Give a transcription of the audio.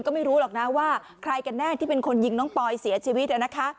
ก็ไม่รู้หรอกนะว่าใครกันแน่ที่เป็นคนยิงน้องปอยเสียชีวิตนะคะ